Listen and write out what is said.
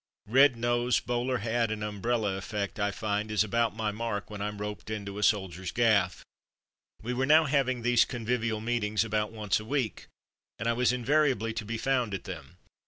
Red nose, bowler hat, and umbrella effect, I find is about my mark when I'm roped into a soldiers' gaff. We were now having these convivial evenings about once a week, and I was invariably to be found at them.